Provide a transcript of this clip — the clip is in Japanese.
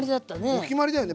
お決まりだよね。